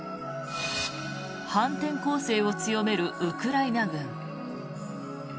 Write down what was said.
反転攻勢を強めるウクライナ軍。